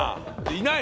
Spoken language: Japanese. いない！